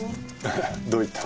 どういった？